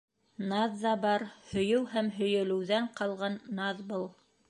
Наҙ ҙа бар. һөйөү һәм һөйөлөүҙән ҡалған наҙ был.